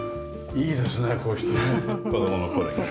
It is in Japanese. いいですねこうしてね。